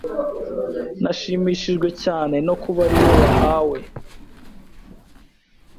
Nashimishijwe cyane no kuba ariwe wahawe